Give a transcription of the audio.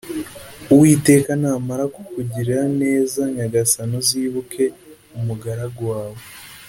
uwiteka namara kukugirira neza nyagasani uzibuke umugaragu wawe